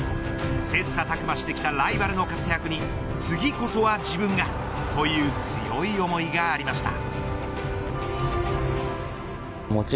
切磋琢磨してきたライバルの活躍に次こそは自分がという強い思いがありました。